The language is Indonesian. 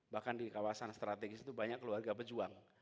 bahkan di kawasan strategis itu banyak keluarga pejuang